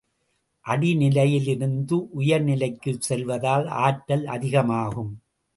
அடிநிலையிலிருந்து உயர் நிலைக்குச் செல்வதால் ஆற்றல் அதிகமாகும்.